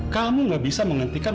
kamu gak bisa menghentikan